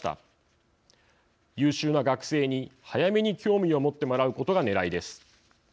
優秀な学生に早めに興味を持ってもらうことがねらいです。